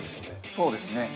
◆そうですね。